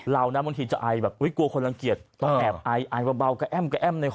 เราน่ะบางทีจะอายแบบกลัวคนลังเกียจต้องแอบอายอายเบากระแอ้มในคอ